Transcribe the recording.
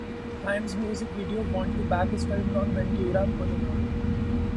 Haim's music video "Want You Back" is filmed on Ventura Boulevard.